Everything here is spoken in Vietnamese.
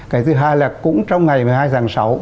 cái thứ hai là cũng trong ngày một mươi hai tháng sáu